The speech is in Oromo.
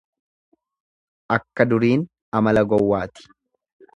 Akka duriin amala gowwaati.